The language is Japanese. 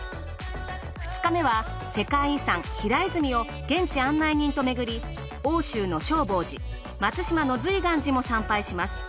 ２日目は世界遺産平泉を現地案内人と巡り奥州の正法寺松島の瑞巌寺も参拝します。